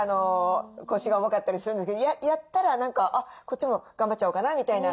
腰が重かったりするんだけどやったら何かこっちも頑張っちゃおうかなみたいな。